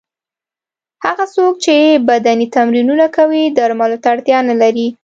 هغه څوک چې بدني تمرینونه کوي درملو ته اړتیا نه لري.